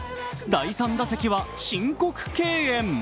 第３打席は申告敬遠。